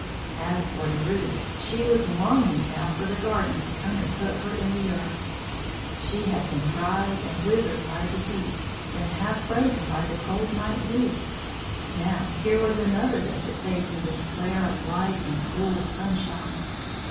As for the Root, she was longing now for the gardener to come and put her in the earth. She had been dried and withered by the heat, then half frozen by the cold night dew; now here was another day to face in this glare of light and cruel sunshine.